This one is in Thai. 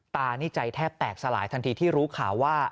ตานี่ใจแทบแตกสลายทันทีที่รู้ข่าวว่า